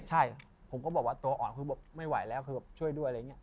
ใช่ผมก็บอกว่าตัวอ่อนไม่ไหวแล้วช่วยด้วยอะไรอย่างนี้